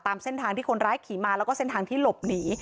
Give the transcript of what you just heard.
ตามเส้นทางที่คนร้ายขี่มาแล้วก็เส้นทางที่หลบหนี